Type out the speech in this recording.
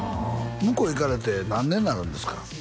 向こう行かれて何年になるんですか？